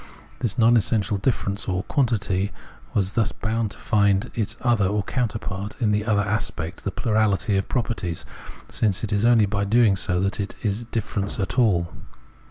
This non essential difference, quantity, was thus bound to find its other or counterpart in the other aspect, the plurality of properties, since it is only by doing so that it is difference at all.